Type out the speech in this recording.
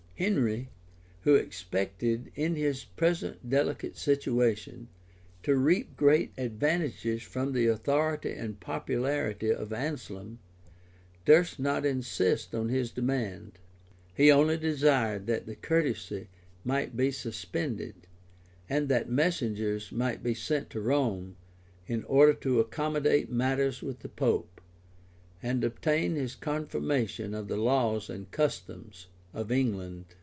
Henry, who expected, in his present delicate situation, to reap great advantages from the authority and popularity of Anselm, durst not insist on his demand;[*] he only desired that the controversy might be suspended, and that messengers might be sent to Rome, in order to accommodate matters with the pope, and obtain his confirmation of the laws and customs of England.